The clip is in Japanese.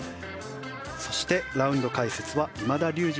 ラウンド解説は今田竜二